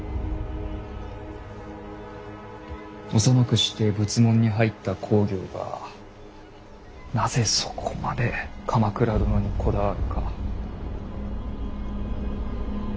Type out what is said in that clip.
幼くして仏門に入った公暁がなぜそこまで鎌倉殿にこだわるか。